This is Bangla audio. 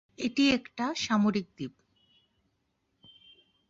এটি একটা সামরিক দ্বীপ।